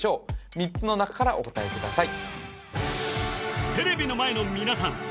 ３つの中からお答えください